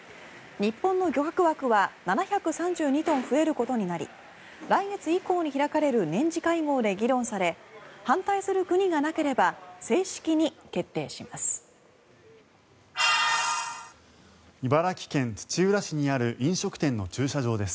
日本の漁獲枠は７３２トン増えることになり来月以降に開かれる年次会合で議論され反対する国がなければ正式に決定します。